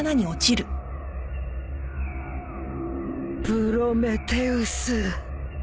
プロメテウス！